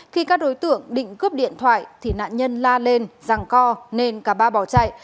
khi các đối tượng định cướp điện thoại thì nạn nhân la lên ràng co nên cả ba bỏ chạy